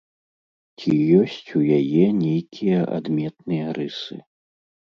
Ці ёсць у яе нейкія адметныя рысы?